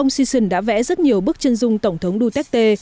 ông season đã vẽ rất nhiều bức chân dung tổng thống duterte